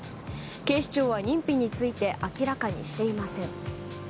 警視庁は認否について明らかにしていません。